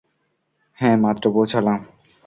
হ্যাঁ, মাত্র পৌঁছালাম।